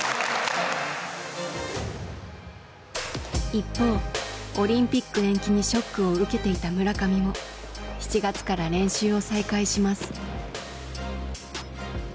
一方オリンピック延期にショックを受けていた村上も７月から練習を再開します。